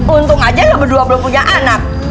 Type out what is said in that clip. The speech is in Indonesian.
untung aja berdua belum punya anak